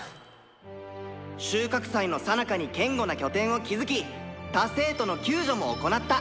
収穫祭のさなかに堅固な拠点を築き他生徒の救助も行った」。